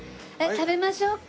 食べましょうかアイス。